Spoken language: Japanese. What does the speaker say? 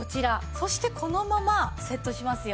そしてこのままセットしますよ。